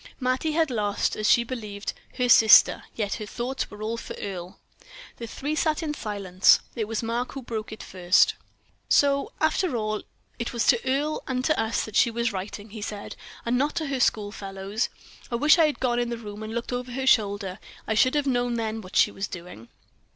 Mattie had lost, as she believed, her sister, yet her thoughts were all for Earle. The three sat in silence. It was Mark who broke it first: "So, after all, it was to Earle and to us she was writing," he said, "and not to her school fellows. I wish I had gone in the room and looked over her shoulder; I should have known, then, what she was doing."